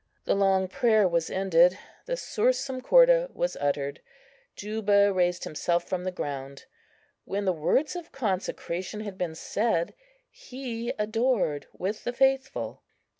The long prayer was ended; the Sursum corda was uttered. Juba raised himself from the ground. When the words of consecration had been said, he adored with the faithful.